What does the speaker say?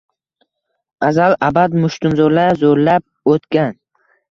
Аzal-abad mushtumzoʼrlar zoʼrlab oʼtgan.